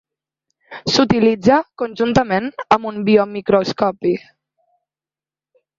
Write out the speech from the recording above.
S'utilitza conjuntament amb un biomicroscopi.